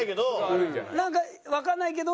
なんかわかんないけど。